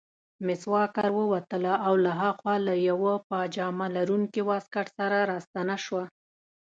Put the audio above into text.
مس واکر ووتله او له هاخوا له یوه پاجامه لرونکي واسکټ سره راستنه شوه.